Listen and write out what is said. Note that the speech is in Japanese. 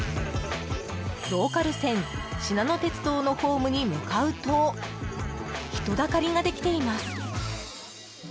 ローカル線しなの鉄道のホームに向かうと人だかりができています。